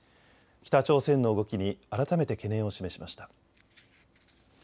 北朝鮮の動きに改めて懸念を示しました。